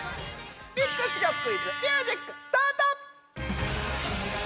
ミックス曲クイズミュージックスタート！